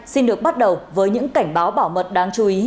xin được bắt đầu với những cảnh báo bảo mật đáng chú ý